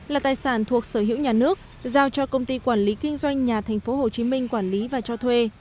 là tài sản thuộc sở hữu nhà nước giao cho công ty quản lý kinh doanh nhà tp hcm quản lý và cho thuê